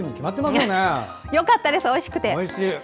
よかったです、おいしくて。